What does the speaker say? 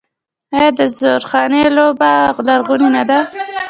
آیا د زورخانې لوبه لرغونې نه ده؟